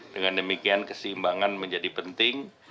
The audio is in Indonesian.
dengan demikian keseimbangan menjadi penting